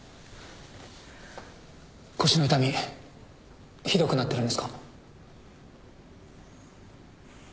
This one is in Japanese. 腰の痛みひどくなってるんですか？